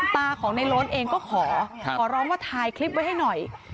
ตาของในโล้นเองก็ขอขอร้องว่าถ่ายคลิปไว้ให้หน่อย